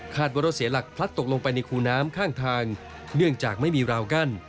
ว่ารถเสียหลักพลัดตกลงไปในคูน้ำข้างทางเนื่องจากไม่มีราวกั้น